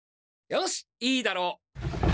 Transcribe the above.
よしいいだろう！